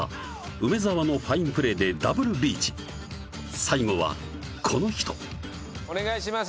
梅沢のファインプレーでダブルリーチ最後はこの人お願いします